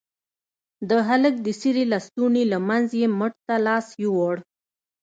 د هلك د څيرې لستوڼي له منځه يې مټ ته لاس يووړ.